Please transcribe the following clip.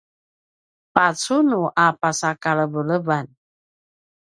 pacunu a pasa kalevelevan